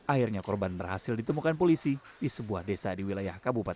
akhirnya korban berhasil ditemukan polisi di sebuah desa di wilayah kabupaten